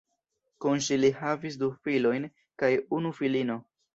Kun ŝi li havis du filojn kaj unu filino.